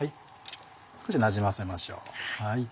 少しなじませましょう。